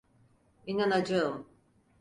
İnanacağım.